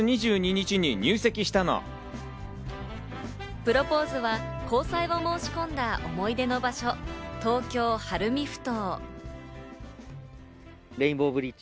プロポーズは交際を申し込んだ思い出の場所、東京・晴海ふ頭。